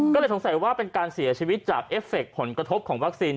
ก็เลยสงสัยว่าเป็นการเสียชีวิตจากเอฟเคผลกระทบของวัคซีน